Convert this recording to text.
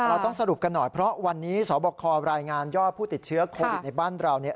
เราต้องสรุปกันหน่อยเพราะวันนี้สบครายงานยอดผู้ติดเชื้อโควิดในบ้านเราเนี่ย